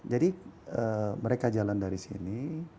jadi mereka jalan dari sini